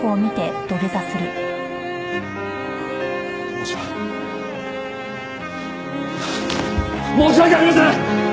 申し訳申し訳ありません！